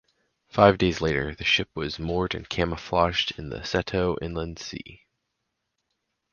Five days later the ship was moored and camouflaged in the Seto Inland Sea.